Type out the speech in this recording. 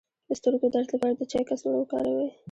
د سترګو درد لپاره د چای کڅوړه وکاروئ